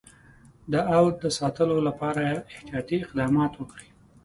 د اَوَد د ساتلو لپاره احتیاطي اقدامات وکړي.